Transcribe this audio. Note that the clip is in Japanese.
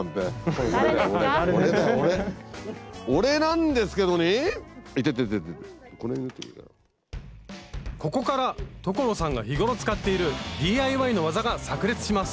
ここから所さんが日頃使っているＤＩＹの技がさく裂します